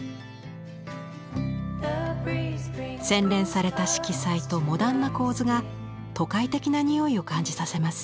洗練された色彩とモダンな構図が都会的なにおいを感じさせます。